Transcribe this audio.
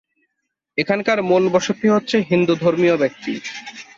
এখানকার মুল বসতি হচ্ছে হিন্দু ধর্মিয় ব্যক্তি।